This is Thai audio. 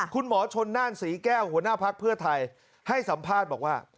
คุณหมอชนน่านศรีแก้วหัวหน้าภักดิ์เพื่อไทยให้สัมภาษณ์บอกว่า